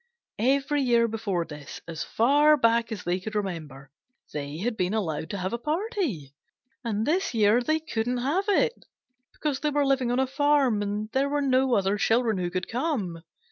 Every year before this, as far back as they could remember, they had been allowed to have a party, and this year they could not have it, because they were living on a farm and there were no other children who could come.